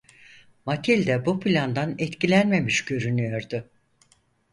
Matilda bu plandan etkilenmemiş görünüyordu.